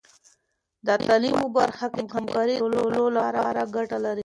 د تعلیم په برخه کې همکاري د ټولو لپاره ګټه لري.